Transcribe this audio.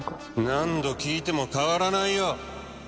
何度聞いても変わらないよ！